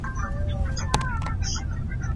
小蛇根草